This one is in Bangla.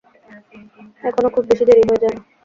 এখনও খুব বেশি দেরি হয়ে যায়নি।